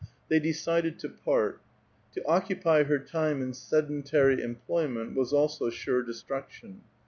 They decided to part. To occupy her time in sedentary employment was also sure destruction.